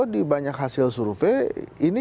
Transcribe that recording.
di banyak hasil survei ini